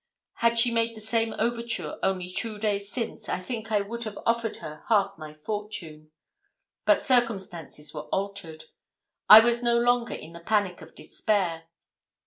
Had she made the same overture only two days since, I think I would have offered her half my fortune. But circumstances were altered. I was no longer in the panic of despair.